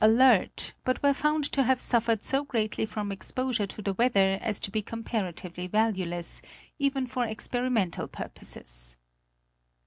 Alert, but were found to have suffered so greatly from exposure to the weather as to be comparatively valueless, even for experimental purposes.